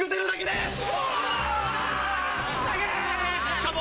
しかも。